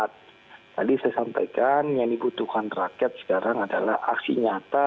tadi saya sampaikan yang dibutuhkan rakyat sekarang adalah aksi nyata